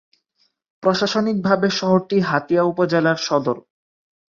প্রশাসনিকভাবে শহরটি হাতিয়া উপজেলার সদর।